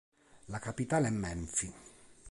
La capitale è Menfi.